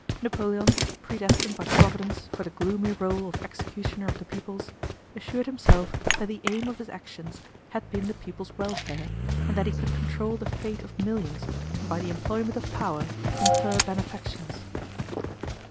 Napoleon, predestined by Providence for the gloomy role of executioner of the peoples, assured himself that the aim of his actions had been the peoples' welfare and that he could control the fate of millions and by the employment of power confer benefactions.